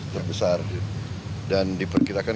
terbesar dan diperkirakan